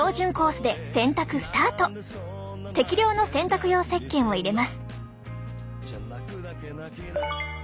適量の洗濯用せっけんを入れます。